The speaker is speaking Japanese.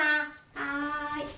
はい。